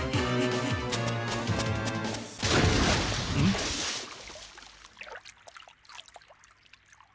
んっ？